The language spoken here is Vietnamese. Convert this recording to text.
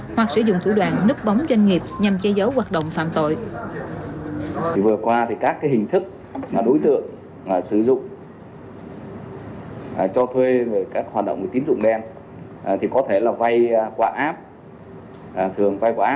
hoặc sử dụng thủ đoàn núp bóng doanh nghiệp nhằm che giấu hoạt động phạm tội